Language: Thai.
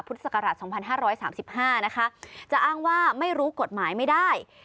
พุทธศักราช๒๕๓๕นะคะจะอ้างว่าไม่รู้กฎหมายไม่ได้